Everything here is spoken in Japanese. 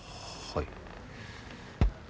はい。